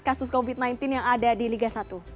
kasus covid sembilan belas yang ada di liga satu